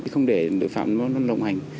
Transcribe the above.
không để đội phạm nó động hành